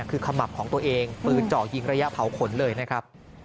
คือขมับของตัวเองปืนเจาะยิงระยะเผาขนเลยนะครับ